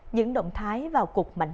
những động thái vào cuộc mảnh